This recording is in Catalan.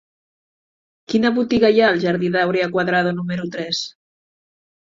Quina botiga hi ha al jardí d'Áurea Cuadrado número tres?